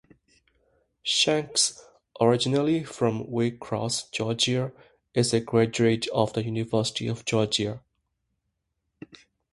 Shanks, originally from Waycross, Georgia, is a graduate of the University of Georgia.